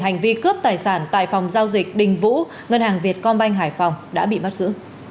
hành vi cướp tài sản tại phòng giao dịch đình vũ ngân hàng việt công banh hải phòng đã bị bắt giữ